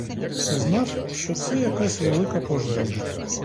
Пізнав, що це якась велика пожежа.